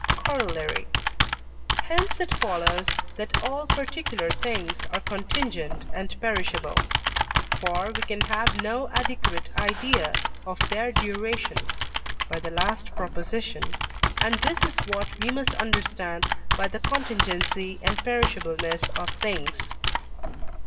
Corollary. Hence it follows that all particular things are contingent and perishable. For we can have no adequate idea of their duration (by the last Prop.), and this is what we must understand by the contingency and perishableness of things.